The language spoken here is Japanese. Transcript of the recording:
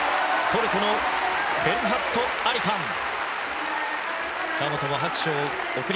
トルコのフェルハット・アリカン。